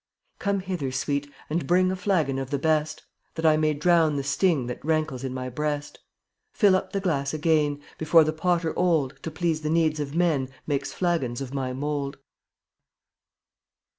Come hither, Sweet, and bring A flagon of the best, That I may drown the sting That rankles in my breast. Fill up the glass again Before the potter old, To please the needs of men, Makes flagons of my mold.